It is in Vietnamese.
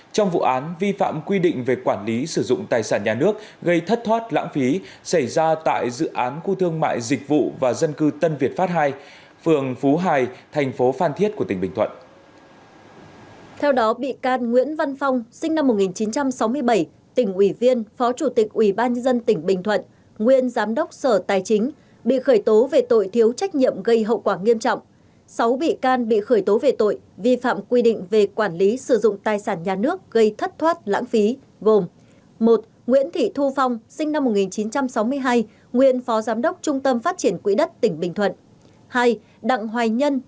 hai đặng hoài nhân sinh năm một nghìn chín trăm sáu mươi năm chủ tịch công ty trách nhiệm hiếu hạn sổ số kiến thiết bình thuận nguyễn giám đốc trung tâm phát triển quỹ đất tỉnh bình thuận